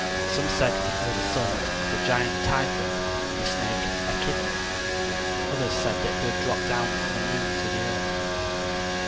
Some said he was the son of the giant Typhon and the snake Echidna; others that he had dropped down from the moon to the earth.